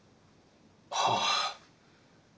はあ。